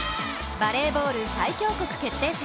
バレーボール最強国決定戦。